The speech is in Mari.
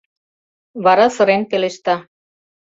Вара сырен пелешта: